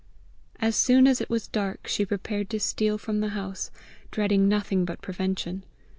As soon as it was dark she prepared to steal from the house, dreading nothing but prevention.